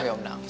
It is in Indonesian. oke om dadang